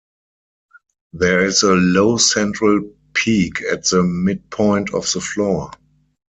There is a low central peak at the midpoint of the floor.